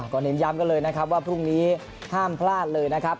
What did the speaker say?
ก็เน้นย้ำกันเลยนะครับว่าพรุ่งนี้ห้ามพลาดเลยนะครับ